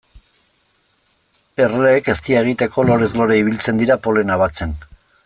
Erleek eztia egiteko lorez lore ibiltzen dira polena batzen.